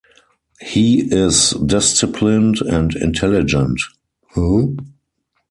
He is disciplined and intelligent.